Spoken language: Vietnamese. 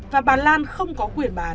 và bà lan không có quyền bán